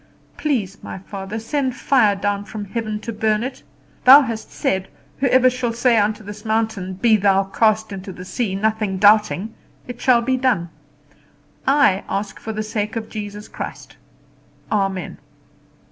Please, my Father, send fire down from heaven to burn it. Thou hast said, Whosoever shall say unto this mountain, Be thou cast into the sea, nothing doubting, it shall be done. I ask for the sake of Jesus Christ. Amen."